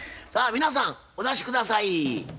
さあ皆さんお出し下さい。